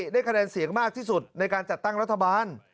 ได้คะแนนเสียงมากที่สุดในการจัดตั้งรัฐบาล